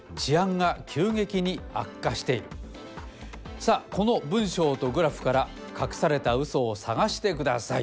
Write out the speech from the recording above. さあこの文章とグラフからかくされたウソを探してください。